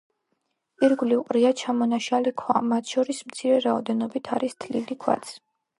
ირგვლივ ყრია ჩამონაშალი ქვა, მათ შორის, მცირე რაოდენობით არის თლილი ქვაც.